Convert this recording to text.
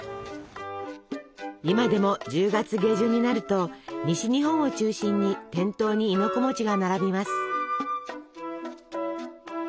今でも１０月下旬になると西日本を中心に店頭に亥の子が並びます。